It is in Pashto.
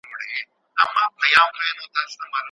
موږ خپل ټول واک قانون ته سپارلی دی.